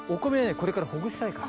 これからほぐしたいから。